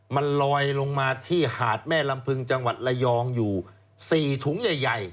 มันลอยลงมาที่หาดแม่ลำพึงจังหวัดลัยองอยู่๑๔หลาย